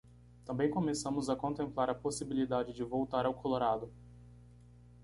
Também começamos a contemplar a possibilidade de voltar ao Colorado.